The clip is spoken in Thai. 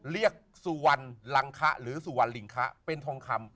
เรียกสุวรรณลังคะหรือสุวรรณลิงคะเป็นทองคำ